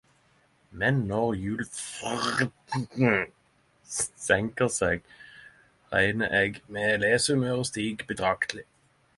Men når julefrden senker seg reknar eg med lesehumøret stig betrakteleg!